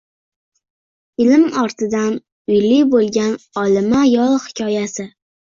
Ilm ortidan uyli bo‘lgan olima ayol hikoyasi